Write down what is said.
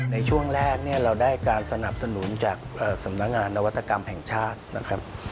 ในช่วงแรกเนี่ยเราได้การสนับสนุนจากสำนักงานนวัตกรรมแห่งชาตินะครับ